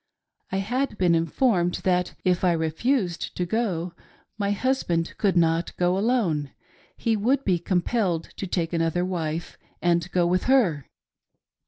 I had been informed that, if I refused to go, my husband could not go alone, he would be compelled to take another wife and go with her.